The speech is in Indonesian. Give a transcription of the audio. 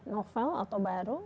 novel atau baru